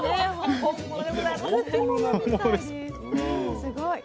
すごい。